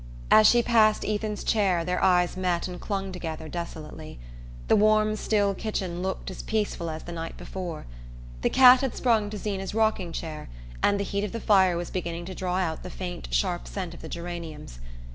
As she passed Ethan's chair their eyes met and clung together desolately. The warm still kitchen looked as peaceful as the night before. The cat had sprung to Zeena's rocking chair, and the heat of the fire was beginning to draw out the faint sharp scent of the geraniums.